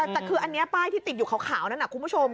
แต่คืออันนี้ป้ายที่ติดอยู่ขาวนั้นคุณผู้ชม